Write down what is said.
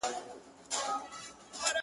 مرغکیو به نارې پسي وهلې-